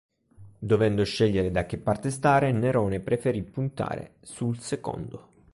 Dovendo scegliere da che parte stare, Nerone preferì puntare sul secondo.